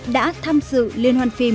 đã tham dự liên hoan phim